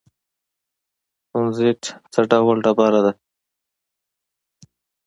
کونزیټ څه ډول ډبره ده؟